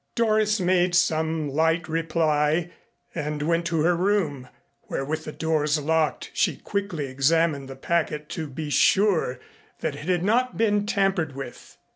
Doris made some light reply and went to her room, where, with the doors locked, she quickly examined the packet to be sure that it had not been tampered with.